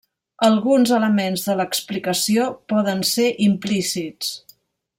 Alguns elements de l'explicació poden ser implícits.